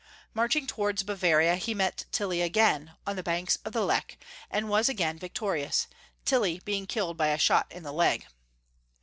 March ing towards Bavaria, he met Tilly again, on the banks of the Lech, and was again victorious, Tilly being killed by a shot in the leg.